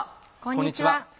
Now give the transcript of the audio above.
こんにちは。